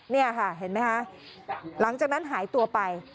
เห็นไหมฮะหลังจากนั้นหายตัวไป